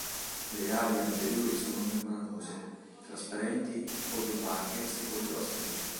Le ali anteriori sono membranose, trasparenti od opache secondo la specie.